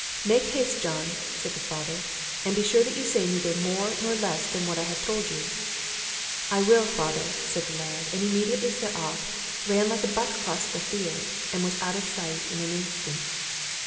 "Make haste, John," said the father, "and be sure you say neither more nor less than what I have told you." "I will, father," said the lad; and immediately set off, ran like a buck across the fields, and was out of sight in an instant.